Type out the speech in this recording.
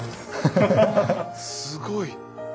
すごい。